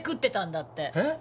えっ？